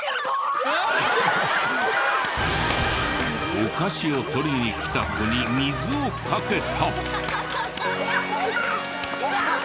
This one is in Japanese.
お菓子を取りに来た子に水をかけた！